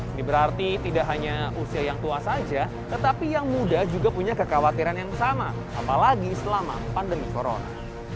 ini berarti tidak hanya usia yang tua saja tetapi yang muda juga punya kekhawatiran yang sama apalagi selama pandemi corona